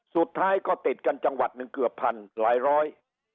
สุดท้ายก็ติดกันจังหวัดหนึ่งเกือบพันหลายร้อย